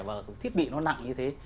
và thiết bị nó nặng như thế